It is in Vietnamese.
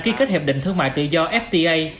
khi kết hợp định thương mại tự do fta